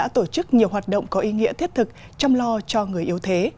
tổ chức nhiều hoạt động có ý nghĩa thiết thực chăm lo cho người yếu thế